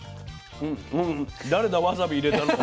誰だわさび入れたのは。